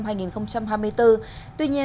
tuy nhiên theo thông lệ hơn một mươi năm qua